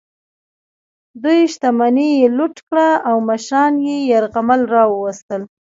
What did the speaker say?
دوی شتمني یې لوټ کړه او مشران یې یرغمل راوستل.